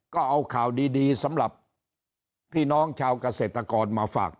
ก็เอาข่าวดีสำหรับพี่น้องชาวเกษตรกรมาฝาก